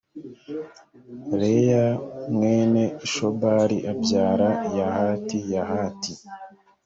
reyaya mwene shobali abyara yahati yahati